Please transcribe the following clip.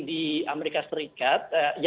di amerika serikat